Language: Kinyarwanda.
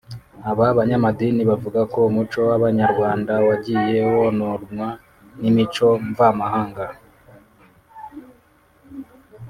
Aba banyamadini bavuga ko umuco w’Abanyarwanda wagiye wononwa n’imico mvamahanga